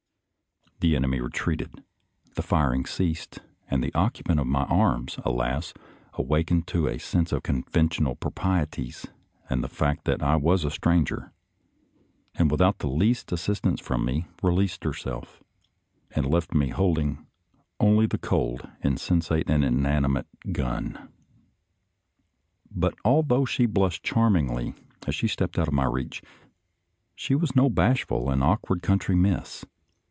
The enemy retreated, the firing ceased, and the occupant of my arms, alas, awakened to a sense of conventional proprieties and the fact that I was a stranger, and without the least as sistance from me, released herself, and left me holding only the cold, insensate, and inanimate gun. But although she blushed charmingly as she stepped out of my reach, she was no bashful and awkward country miss.